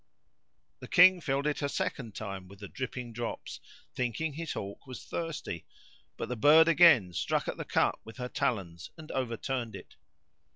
The King filled it a second time with the dripping drops, thinking his hawk was thirsty; but the bird again struck at the cup with her talons and overturned it.